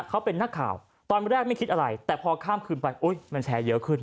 เขาเป็นนักข่าวตอนแรกไม่คิดอะไรแต่พอข้ามคืนไปมันแชร์เยอะขึ้น